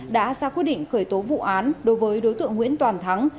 đã ra quyết định khởi tố vụ án đối với đối tượng nguyễn toàn thắng